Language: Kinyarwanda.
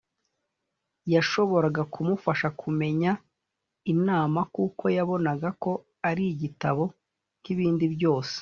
yashoboraga kumufasha kumenya imana kuko yabonaga ko ari igitabo nk ibindi byose